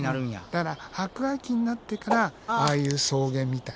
だから白亜紀になってからああいう草原みたいなね